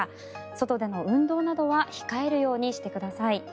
外での運動などは控えるようにしてください。